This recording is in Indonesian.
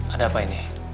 ada apa ini